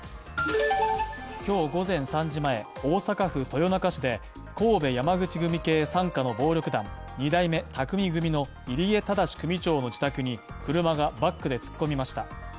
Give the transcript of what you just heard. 今日午前３時前、大阪府豊中市で神戸山口組系傘下の暴力団二代目宅見組の入江禎組長の自宅に車がバックで突っ込みました。